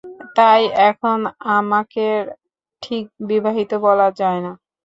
তাই, এখন আমাকে ঠিক বিবাহিত বলা যায় না।